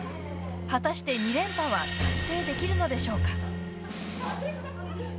果たして２連覇は達成できるのでしょうか。